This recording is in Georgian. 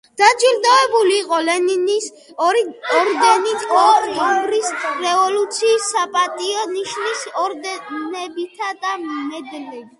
დაჯილდოვებული იყო ლენინის ორი ორდენით, ოქტომბრის რევოლუციის, „საპატიო ნიშნის“ ორდენებითა და მედლებით.